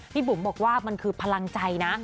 บุ๋มบอกว่ามันคือพลังใจนะ